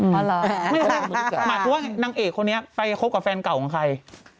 หมายถึงว่านางเอกคนนี้ไปคบกับแฟนเก่าของใคร